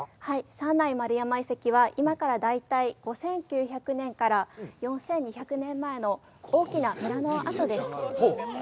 三内丸山遺跡は、今から大体５９００年から４２００年前の大きなムラの跡です。